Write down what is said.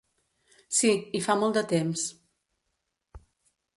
Sí, i fa molt de temps.